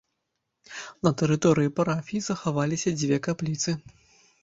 На тэрыторыі парафіі захаваліся дзве капліцы.